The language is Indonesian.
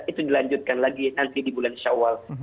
itu dilanjutkan lagi nanti di bulan syawal